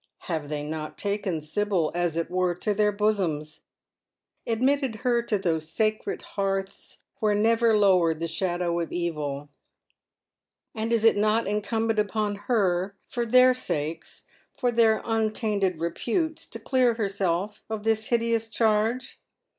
Have they not taken Sibyl, as it were, to their bosoms, admitted her to those sacred hearths where never lowered the shadow of evil, and is it not incumbent upon her, for their sakes, for their untainted reputes, to clear herself of this hideous charge